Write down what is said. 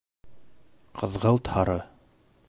Ҡыҙғылт-һары